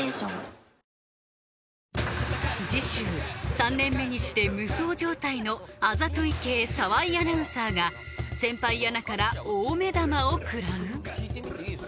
３年目にして無双状態のあざとい系澤井アナウンサーが先輩アナから大目玉を食らう？